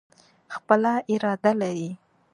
خپله اراده لري.